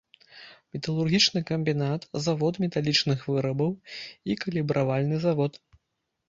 Металургічны камбінат, завод металічных вырабаў і калібравальны завод.